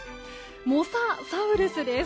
モササウルスです。